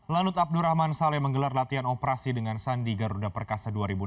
lanut abdurrahman saleh menggelar latihan operasi dengan sandi garuda perkasa dua ribu enam belas